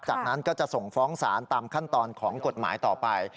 จากนั้นก็จะส่งฟ้องศาลตามขั้นตอนของกฎหมายต่อไป